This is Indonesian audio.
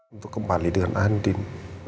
untuk kembali dengan andin